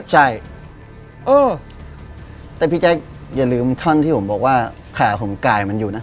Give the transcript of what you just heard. ใช่เออแต่พี่แจ๊คอย่าลืมท่อนที่ผมบอกว่าขาผมกายมันอยู่นะ